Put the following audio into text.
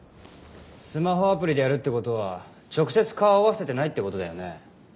スマホアプリでやるって事は直接顔合わせてないって事だよね。